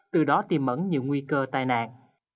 từ đó tìm mẫn nhiều nguy cơ tai nạn